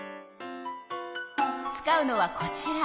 使うのはこちら。